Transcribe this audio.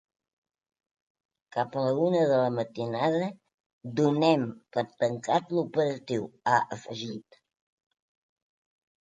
Cap a la una de la matinada donem per tancat l’operatiu, ha afegit.